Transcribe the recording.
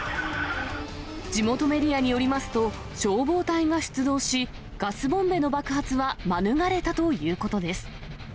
地元メディアによりますと、消防隊が出動し、ガスボンベの爆発は免れたということです。